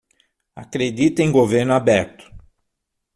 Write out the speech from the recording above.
Acredite em governo aberto